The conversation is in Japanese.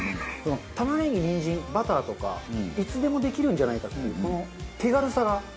玉ねぎにんじんバターとかいつでもできるんじゃないかっていうこの手軽さが高得点でしたね。